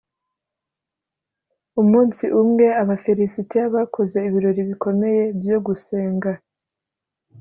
Umunsi umwe abafilisitiya bakoze ibirori bikomeye byo gusenga